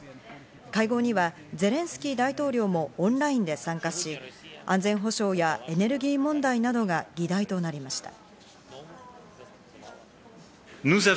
会合にはゼレンスキー大統領もオンラインで参加し、安全保障やエネルギー問題などが議題となりました。